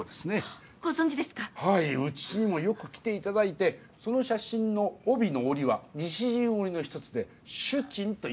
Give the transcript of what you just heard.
うちにもよく来ていただいてその写真の帯の織は西陣織の一つで朱珍と。